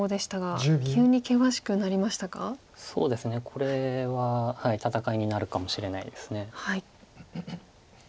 これは戦いになるかもしれないです。